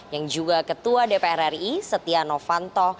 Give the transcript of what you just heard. yang juga ketua dpr ri setia novanto